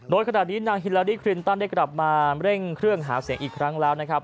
โดยขณะนี้นางฮิลาดี้คลินตันได้กลับมาเร่งเครื่องหาเสียงอีกครั้งแล้วนะครับ